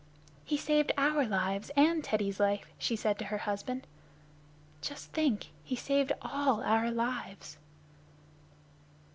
"He saved our lives and Teddy's life," she said to her husband. "Just think, he saved all our lives."